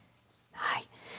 はい。